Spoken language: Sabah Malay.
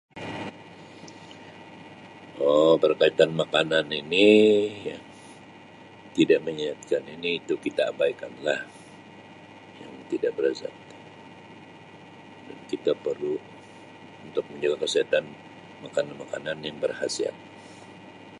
Um Berkaitan makanan ini tidak menyihatkan ini tu kita abaikan lah yang tidak ber-zat kita perlu untuk menjaga kesihatan makan makananan yang berkhasiat.